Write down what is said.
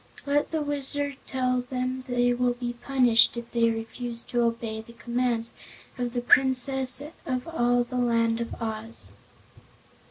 "Let the Wizard tell them they will be punished if they refuse to obey the commands of the Princess of all the Land of Oz."